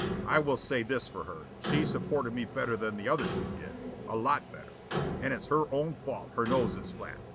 I will say this for her, she supported me better than the other two did, a lot better. And it's her own fault her nose is flat.